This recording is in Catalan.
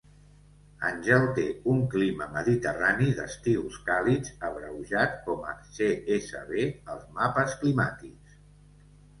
Angel té un clima mediterrani d'estius càlids, abreujat com a "Csb" als mapes climàtics.